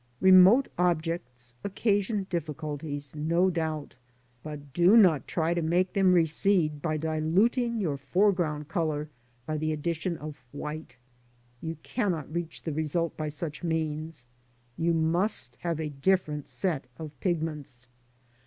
Remote objects occasion difficulties, no doubt, but do not try to make them recede by diluting your foreground colour by the addition of white. You cannot reach the result by such means; you must have a different set of pigments.